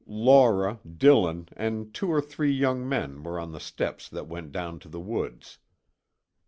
Laura, Dillon, and two or three young men were on the steps that went down to the woods.